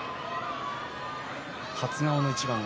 初顔の一番。